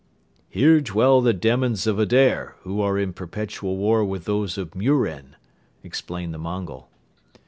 "Here dwell the demons of Adair, who are in perpetual war with those of Muren," explained the Mongol.